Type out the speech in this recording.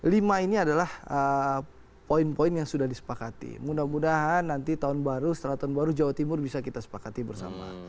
lima ini adalah poin poin yang sudah disepakati mudah mudahan nanti tahun baru setelah tahun baru jawa timur bisa kita sepakati bersama